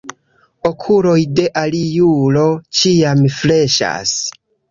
Okuloj de aliulo ĉiam freŝas.